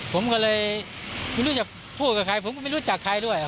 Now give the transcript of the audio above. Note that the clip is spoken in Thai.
ผมก็เลยไม่รู้จะพูดกับใครผมก็ไม่รู้จักใครด้วย